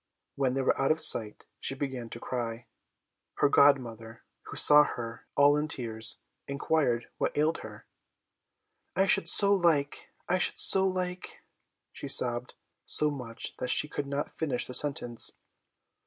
When they were out of sight, she began to cry. Her godmother, who saw her all in tears, inquired what ailed her. "I should so like I should so like " she sobbed so much that she could not finish the sentence.